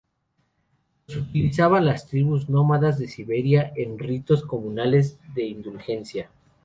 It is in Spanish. Los utilizaban las tribus nómadas de Siberia en ritos comunales de indulgencia.